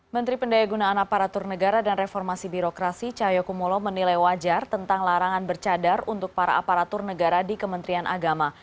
menteri pendaya gunaan aparatur negara dan reformasi birokrasi cahaya kumolo menilai wajar tentang larangan bercadar untuk para aparatur negara di kementerian agama